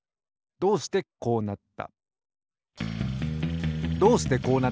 どうしてこうなった？